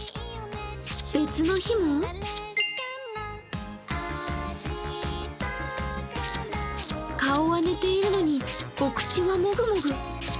別の日も顔は寝ているのにお口はもぐもぐ。